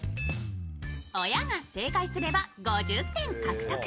親が正解すれば５０点獲得。